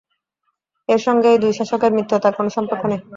এর সঙ্গে এই দুই শাসকের মিত্রতার কোন সম্পর্ক নেই।